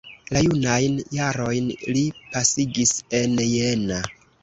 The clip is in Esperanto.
La junajn jarojn li pasigis en Jena.